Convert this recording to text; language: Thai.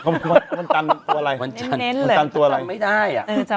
มันจำตัวอะไรมันจำไม่ได้